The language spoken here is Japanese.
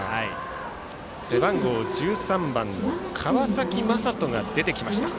背番号１３番の川崎聖翔が出てきました。